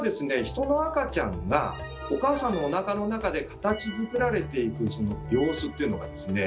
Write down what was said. ヒトの赤ちゃんがお母さんのおなかの中で形づくられていくその様子っていうのがですね